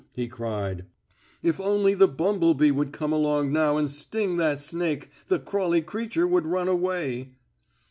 he cried. "If only the bumble bee would come along now and sting that snake the crawly creature would run away!"